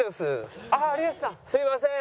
すいません。